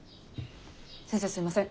先生すいません。